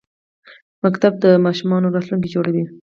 ښوونځي د ماشومانو راتلونکي جوړوي